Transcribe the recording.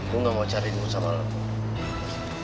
gue gak mau cari ini sama lo